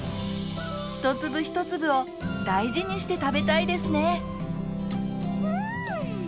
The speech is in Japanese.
１粒１粒を大事にして食べたいですねうん！